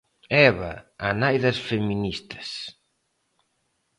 Eva, a nai das feministas.